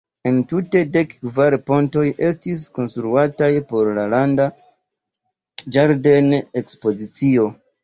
Entute dek kvar pontoj estis konstruataj por la Landa Ĝarden-Ekspozicio.